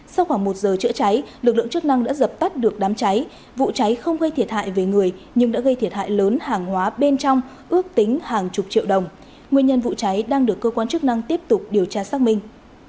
sau khoảng một giờ chữa cháy lực lượng chức năng đã dập tắt được đám cháy vụ cháy không gây thiệt hại về người nhưng đã gây thiệt hại lớn hàng hóa bên trong ước tính hàng chục triệu đồng nguyên nhân vụ cháy đang được cơ quan chức năng tiếp tục điều tra xác minh